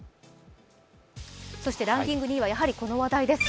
ランキング２位は、やはりこの話題です。